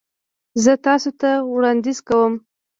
زه تاسو ته وړاندیز کوم